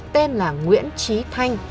tên là nguyễn trí thanh